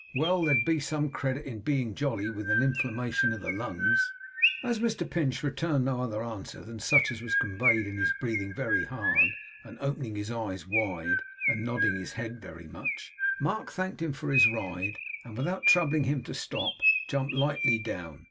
Well, there'd be some credit in being jolly, with a inflammation of the lungs.' As Mr Pinch returned no other answer than such as was conveyed in his breathing very hard, and opening his eyes very wide, and nodding his head very much, Mark thanked him for his ride, and without troubling him to stop, jumped lightly down.